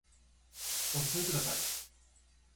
お誘いください